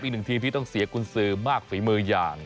อีกหนึ่งทีมที่ต้องเสียกุญสือมากฝีมืออย่าง